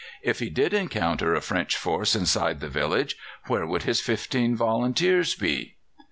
If he did encounter a French force inside the village, where would his fifteen volunteers be?